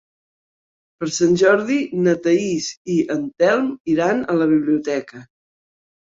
Per Sant Jordi na Thaís i en Telm iran a la biblioteca.